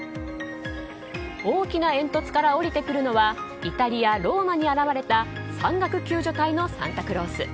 大きな煙突から下りてくるのはイタリア・ローマに現れた山岳救助隊のサンタクロース。